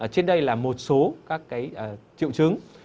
trên đây là một số các cái triệu chứng